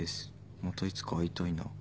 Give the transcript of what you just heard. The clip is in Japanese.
「またいつか会いたいな」